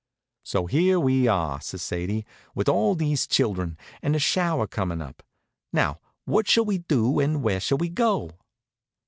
"So, here we are," says Sadie, "with all these children, and a shower coming up. Now, what shall we do and where shall we go?"